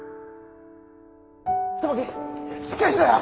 友樹しっかりしろよ